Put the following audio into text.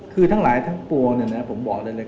คือทั้งหลายทั้งปวงเนี่ยนะผมบอกได้เลย